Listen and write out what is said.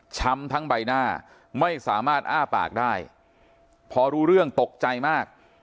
ทั้งใบหน้าไม่สามารถอ้าปากได้พอรู้เรื่องตกใจมาก